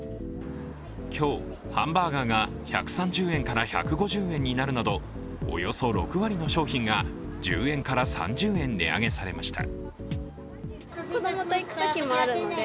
今日、ハンバーガーが１３０円から１５０円になるなどおよそ６割の商品が１０円から３０円値上げされました。